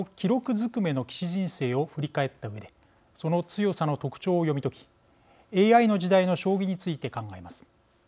ずくめの棋士人生を振り返ったうえでその強さの特徴を読み解きＡＩの時代の将棋について考えます。